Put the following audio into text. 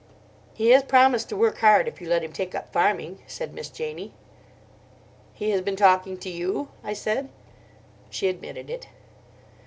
"He has promised to work hard if you let him take up farming," said Miss Janie. "He has been talking to you?" I said. She admitted it.